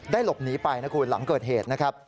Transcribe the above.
หลบหนีไปนะคุณหลังเกิดเหตุนะครับ